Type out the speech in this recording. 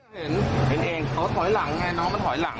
เห็นเห็นเองเขาถอยหลังไงน้องมันถอยหลัง